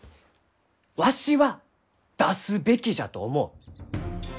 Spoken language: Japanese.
わしは出すべきじゃと思う！